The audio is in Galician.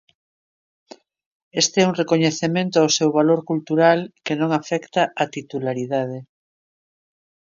Este é un recoñecemento ao seu valor cultural que non afecta a titularidade.